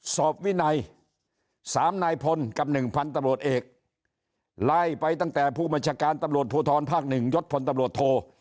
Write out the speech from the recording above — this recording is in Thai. สอบวินัย๓นายพลกับ๑๐๐ตำรวจเอกไล่ไปตั้งแต่ผู้บัญชาการตำรวจภูทรภาค๑ยศพลตำรวจโท